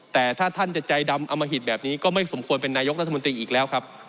แต่ถ้าท่านจะใจดำอมหิตแบบนี้ก็ไม่สมควรเป็นนายกรัฐมนตรีอีกแล้วครับ